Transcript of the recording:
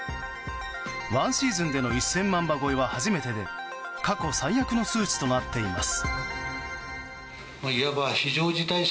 １シーズンでの１０００万羽超えは初めてで過去最悪の数値となっています。